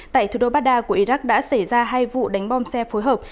tại thủ đô baghdad của iraq đã xảy ra hai vụ đánh bom xe phối hợp